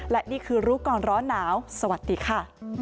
และนี่คือรู้ก่อนร้อนหนาวสวัสดีค่ะ